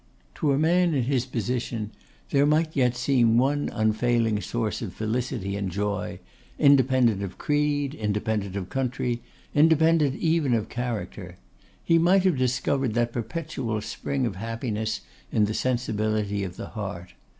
To a man in his position there might yet seem one unfailing source of felicity and joy; independent of creed, independent of country, independent even of character. He might have discovered that perpetual spring of happiness in the sensibility of the heart.